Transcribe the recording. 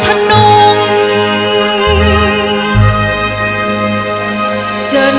ขอฝ่าฝันท้องไทยด้วยใจทะนง